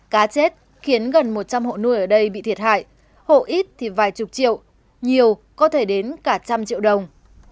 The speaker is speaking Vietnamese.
cá chết khiến gần một trăm linh hộ nuôi ở đây bị thiệt hại hộ ít thì vài chục triệu nhiều có thể đến cả trăm triệu đồng